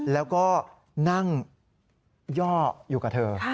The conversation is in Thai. แล้วก็นั่งย่ออยู่กับเธอ